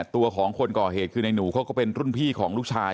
ตัวของคนก่อเหตุคือในหนูเขาก็เป็นรุ่นพี่ของลูกชาย